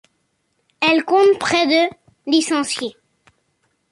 Elle compte près de licenciés.